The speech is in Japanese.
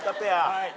はい。